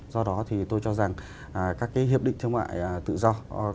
do đó thì tôi cho rằng các cái hiệp định thương mại tự do